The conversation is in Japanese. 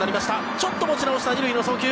ちょっと持ち直した２塁への送球。